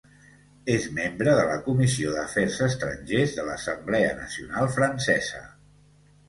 És membre de la comissió d'afers estrangers de l'Assemblea Nacional francesa.